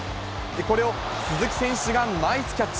これを鈴木選手がナイスキャッチ。